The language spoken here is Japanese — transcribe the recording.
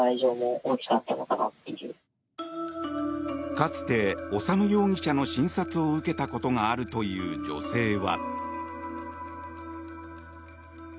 かつて修容疑者の診察を受けたことがあるという女性は。